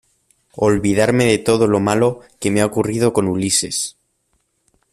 olvidarme de todo lo malo que me ha ocurrido con Ulises